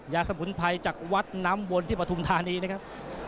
สมุนไพรจากวัดน้ำวนที่ปฐุมธานีนะครับ